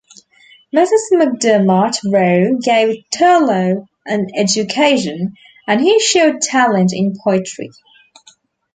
Mrs. MacDermott Roe gave Turlough an education, and he showed talent in poetry.